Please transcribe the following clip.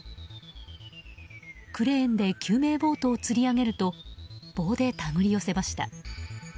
クレーンで救命ボートをつり上げると棒で手繰り寄せました。